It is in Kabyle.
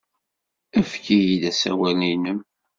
Efk-iyi-d asawal-nnem.